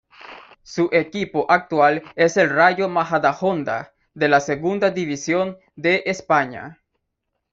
Su equipo actual es el Rayo Majadahonda de la Segunda División de España.